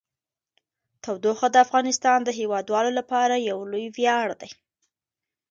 تودوخه د افغانستان د هیوادوالو لپاره یو لوی ویاړ دی.